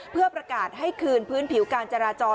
เพื่อประกาศให้คืนพื้นผิวการจราจร